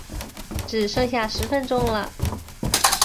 只剩下十分钟了